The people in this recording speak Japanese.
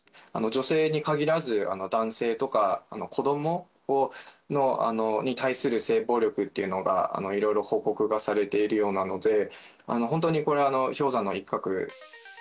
女性に限らず、男性とか、子どもに対する性暴力というのがいろいろ報告がされているようなので、本当にこれは氷山の一角。